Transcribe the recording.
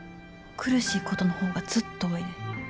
苦しいことの方がずっと多いで。